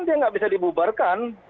dia tidak bisa dibubarkan